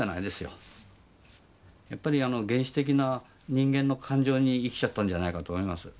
やっぱり原始的な人間の感情に生きちゃったんじゃないかと思います。